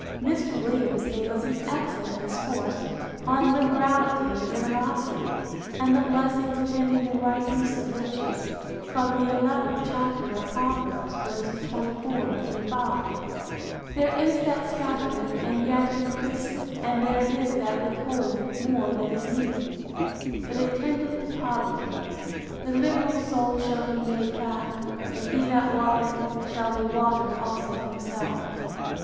Mr. Williams gave us an excellent discourse on liberality and generosity, and the blessings attending the right use of riches, from the xith chapter of Proverbs, ver. 24, 25. There is that scattereth, and yet increaseth; and there is that withholdeth more than is meet, but it tendeth to poverty. The liberal soul shall be made fat: And he that watereth, shall be watered also himself.